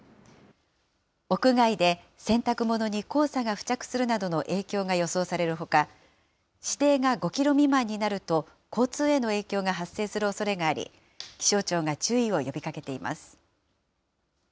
屋外で洗濯物に黄砂が付着するなどの影響が予想されるほか、視程が５キロ未満になると、交通への影響が発生するおそれがあり、気象庁が注意を呼びかけています。